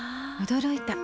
驚いた。